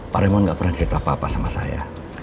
pak remond gak pernah cerita apa apa sama saya